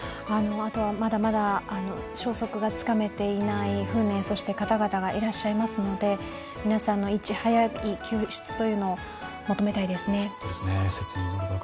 まだまだ消息がつかめていない船、そして方々がいらっしゃいますので皆さんのいち早い救出を求めたいですね。